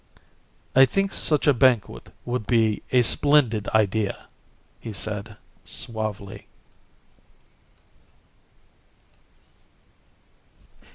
"I think such a banquet would be a splendid idea," he said suavely.